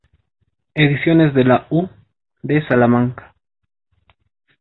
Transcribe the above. Ediciones de la U. de Salamanca.